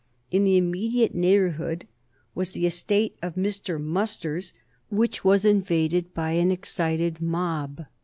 In the immediate neighborhood was the estate of Mr. Musters, which was invaded by an excited mob.